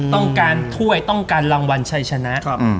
ต้องการถ้วยต้องการรางวัลชัยชนะ